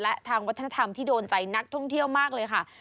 และทางวัฒนธรรมที่โดนใจนักท่องเที่ยวมากเลยค่ะ